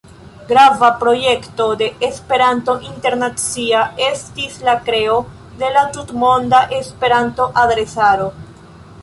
Grava projekto de "Esperanto Internacia" estis la kreo de la Tutmonda Esperanto-adresaro.